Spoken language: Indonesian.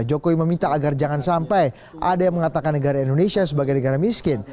jokowi meminta agar jangan sampai ada yang mengatakan negara indonesia sebagai negara miskin